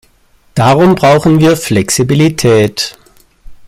Darum brauchen wir Flexibilität.